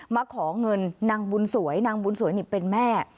มาขอเงินนางบุญสวยนางบุญสวยนี่เป็นแม่